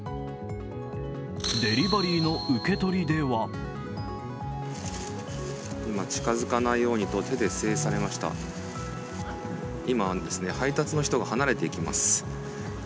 デリバリーの受け取りでは今配達の人が離れていきます。